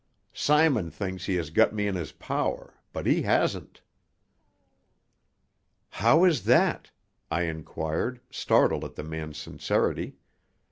Simon thinks he has got me in his power, but he hasn't." "How is that?" I inquired, startled at the man's sincerity.